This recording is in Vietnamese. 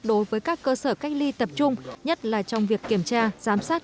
đối với các cơ sở cách ly tập trung nhất là trong việc kiểm tra giám sát